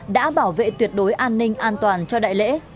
đã bảo vệ tuyệt đối an ninh an toàn cho đại lễ